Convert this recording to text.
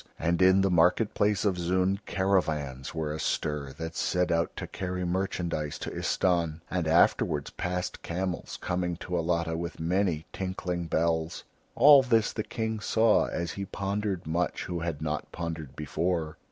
And in the market place of Zoon caravans were astir that set out to carry merchandise to Istahn, and afterwards passed camels coming to Alatta with many tinkling bells. All this the King saw as he pondered much, who had not pondered before.